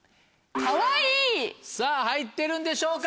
さぁ入ってるんでしょうか？